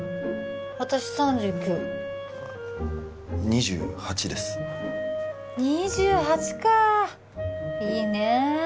私３９２８です２８かあいいねえ